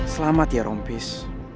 selamat ya rompis